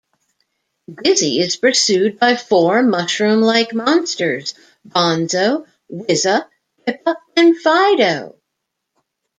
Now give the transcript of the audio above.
Dizzy is pursued by four mushroom-like monsters: Bonzo, Wizza, Pippa, and Fido.